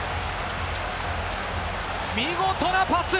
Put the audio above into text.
見事なパス。